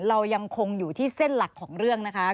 เรายังคงอยู่ที่เส้นหลักของเรื่องนะคะ